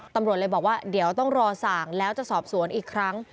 ตำรวจเลยบอกว่าเดี๋ยวต้องรอสั่งแล้วจะสอบสวนอีกครั้ง